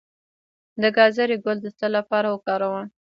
د ګازرې ګل د څه لپاره وکاروم؟